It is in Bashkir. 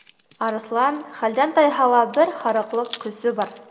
Арыҫлан, хәлдән тайһа ла, бер һарыҡлыҡ көсө бар.